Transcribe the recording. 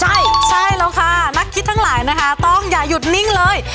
ใช่ใช่แล้วค่ะนักคิดทั้งหลายนะคะต้องอย่าหยุดนิ่งเลย